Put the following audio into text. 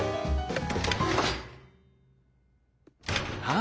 あ？